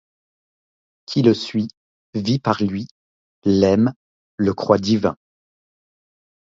Qui le suit, vit par lui, l'aime, le croit divin